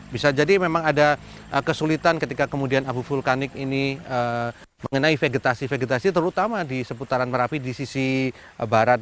bisa jadi memang ada kesulitan ketika kemudian abu vulkanik ini mengenai vegetasi vegetasi terutama di seputaran merapi di sisi barat